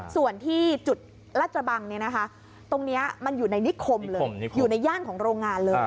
ส่วนที่จุดราชบังตรงนี้มันอยู่ในนิคมเลยอยู่ในย่านของโรงงานเลย